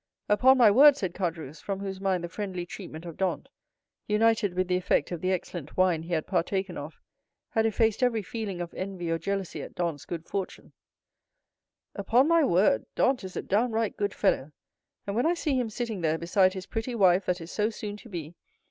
"Upon my word," said Caderousse, from whose mind the friendly treatment of Dantès, united with the effect of the excellent wine he had partaken of, had effaced every feeling of envy or jealousy at Dantès' good fortune,—"upon my word, Dantès is a downright good fellow, and when I see him sitting there beside his pretty wife that is so soon to be.